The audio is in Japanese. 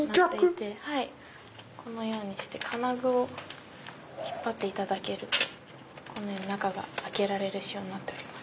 このようにして金具を引っ張っていただけると中が開けられる仕様になっております。